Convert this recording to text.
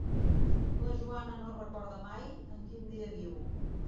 La Joana no recorda mai en quin dia viu.